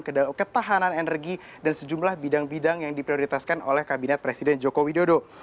ketahanan energi dan sejumlah bidang bidang yang diprioritaskan oleh kabinet presiden joko widodo